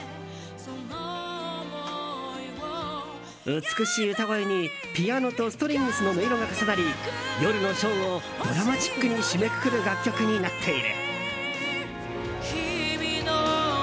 美しい歌声に、ピアノとストリングスの音色が重なり夜のショーをドラマチックに締めくくる楽曲になっている。